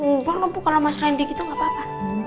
nggak lupa kalau mas randy gitu gak apa apa